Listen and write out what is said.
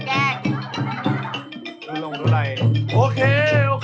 ลืมใส่ลังก่อนระดับแรก